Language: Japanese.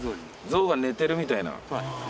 ゾウが寝てるみたいな。